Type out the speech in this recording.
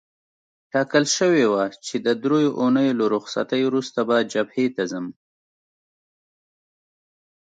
ټاکل شوې وه چې د دریو اونیو له رخصتۍ وروسته به جبهې ته ځم.